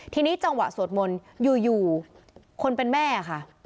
ทีนี้จังหวะสวดมนต์อยู่คนเป็นแม่ค่ะ